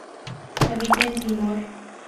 Habita en Timor.